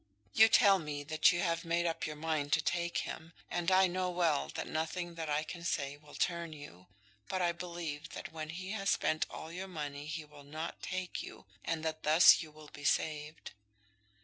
You tell me that you have made up your mind to take him, and I know well that nothing that I can say will turn you. But I believe that when he has spent all your money he will not take you, and that thus you will be saved.